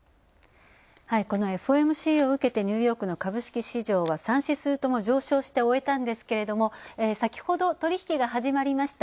このＦＯＭＣを受けてニューヨークの株式は３指数とも上昇して終えたんですけれども先ほど取引が始まりました。